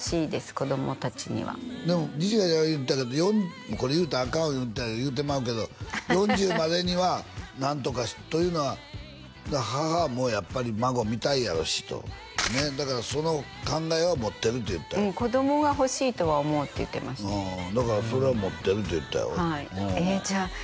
子供達にはでも二千翔ちゃんが言うてたけどこれ言うたらアカン言うてたのに言うてまうけど４０までには何とかというのは母もやっぱり孫見たいやろうしとねっだからその考えは持ってるって言ってたようん子供が欲しいとは思うって言ってましただからそれは持ってるって言うてたよえじゃあ